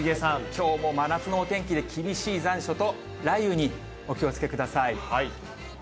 きょうも真夏のお天気で、厳しい残暑と雷雨にお気をつけください。